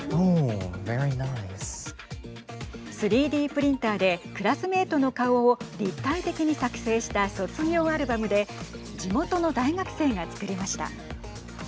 ３Ｄプリンターでクラスメートの顔を立体的に作成した卒業アルバムで地元の大学生が作りました。